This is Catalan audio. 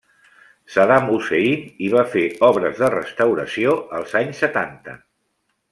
Saddam Hussein hi va fer obres de restauració als anys setanta.